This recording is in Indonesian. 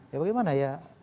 ya bagaimana ya